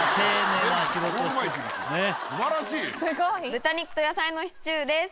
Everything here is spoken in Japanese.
豚肉と野菜のシチューです。